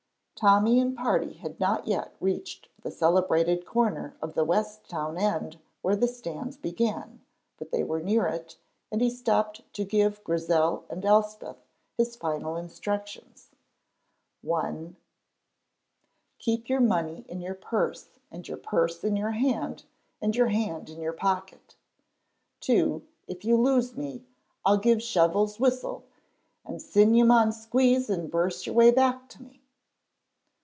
Tommy and party had not yet reached the celebrated corner of the west town end where the stands began, but they were near it, and he stopped to give Grizel and Elspeth his final instructions: "(1) Keep your money in your purse, and your purse in your hand, and your hand in your pocket; (2) if you lose me, I'll give Shovel's whistle, and syne you maun squeeze and birse your way back to me."